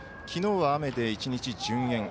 きのうは雨で１日順延。